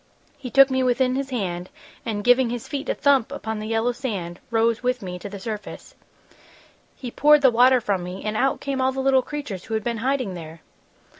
He took me within his hand and, giving his feet a thump upon the yellow sand, rose with me to the surface. "He poured the water from me, and out came all the little creatures who had been hiding there!"